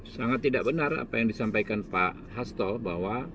sangat tidak benar apa yang disampaikan pak hasto bahwa